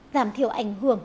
giảm thiểu ảnh hưởng